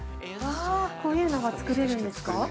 ◆こういうのが作れるんですか。